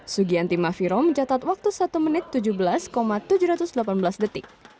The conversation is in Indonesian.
sugianti mafiro mencatat waktu satu menit tujuh belas tujuh ratus delapan belas detik